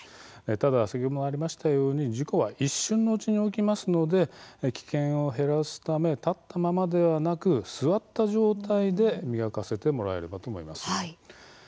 ただ先ほどありましたように事故は一瞬のうちに起きますので危険を減らすため立ったままではなく座った状態で磨かせてもらえるといいと思います。